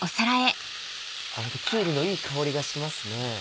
ホントきゅうりのいい香りがしますね。